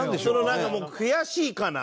なんかもう悔しいかな。